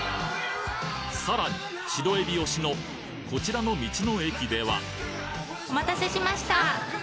さらに白えび推しのこちらの道の駅ではお待たせしました。